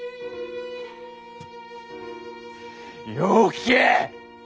よう聞け！